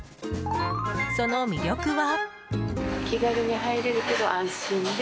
その魅力は。